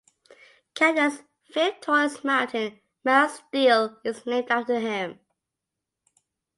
Canada's fifth-tallest mountain, Mount Steele, is named after him.